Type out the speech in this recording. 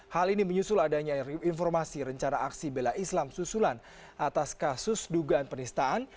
hal ini menyusul adanya informasi rencana aksi bela islam susulan atas kasus dugaan penistaan